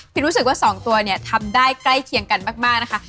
รู้สึกว่า๒ตัวเนี่ยทำได้ใกล้เคียงกันมากนะคะ